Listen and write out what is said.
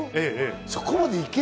そこまで行ける？